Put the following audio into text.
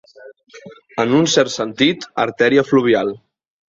En un cert sentit, artèria fluvial.